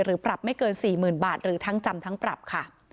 ปรับไม่เกิน๔๐๐๐บาทหรือทั้งจำทั้งปรับค่ะ